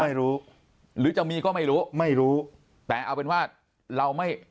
ไม่รู้หรือจะมีก็ไม่รู้ไม่รู้แต่เอาเป็นว่าเราไม่